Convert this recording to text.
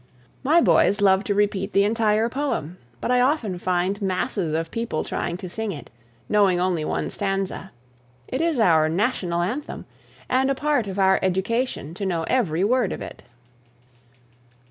My boys love to repeat the entire poem, but I often find masses of people trying to sing it, knowing only one stanza. It is our national anthem, and a part of our education to know every word of it.